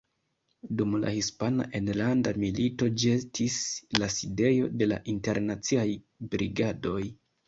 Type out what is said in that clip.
Dum la Hispana Enlanda Milito ĝi estis la sidejo de la Internaciaj Brigadoj.